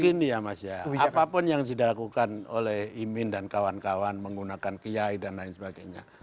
begini ya mas ya apapun yang dilakukan oleh imin dan kawan kawan menggunakan kiai dan lain sebagainya